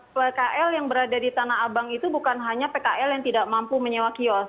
pkl yang berada di tanah abang itu bukan hanya pkl yang tidak mampu menyewa kios